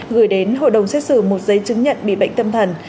gửi đến hội đồng xét xử một giấy chứng nhận bị bệnh tâm thần